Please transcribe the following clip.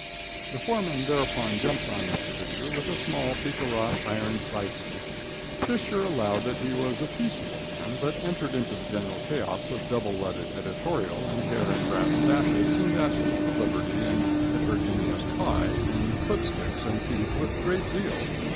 The foreman thereupon jumped on Mr. Visscher with a small pica wrought iron side stick. Visscher allowed that he was a peaceable man, but entered into the general chaos of double leaded editorial, and hair and brass dashes, and dashes for liberty and heterogeneous "pi," and foot sticks and teeth, with great zeal.